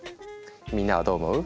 みんなはどう思う？